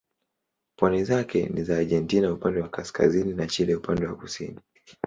Pwani zake ni za Argentina upande wa kaskazini na Chile upande wa kusini.